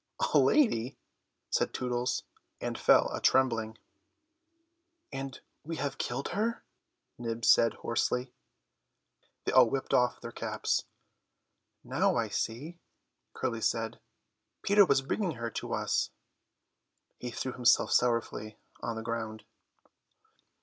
"A lady?" said Tootles, and fell a trembling. "And we have killed her," Nibs said hoarsely. They all whipped off their caps. "Now I see," Curly said: "Peter was bringing her to us." He threw himself sorrowfully on the ground.